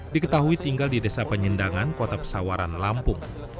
diketahui tinggal di desa penyendangan kota pesawaran lampung